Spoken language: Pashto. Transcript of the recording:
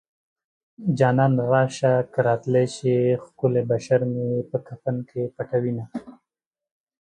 جانانه راشه که راتلی شې ښکلی بشر مې په کفن کې پټوينه